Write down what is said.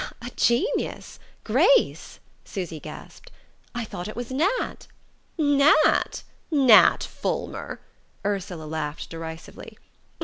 "A Genius Grace!" Susy gasped. "I thought it was Nat...." "Nat Nat Fulmer?" Ursula laughed derisively.